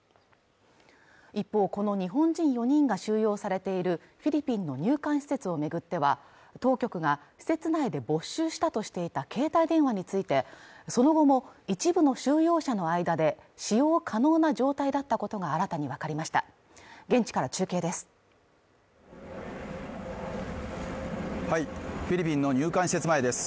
一方この日本人４人が収容されているフィリピンの入管施設を巡っては当局が施設内で没収したとしていた携帯電話についてその後も一部の収容者の間で使用可能な状態だったことが新たに分かりました現地から中継ですフィリピンの入管施設前です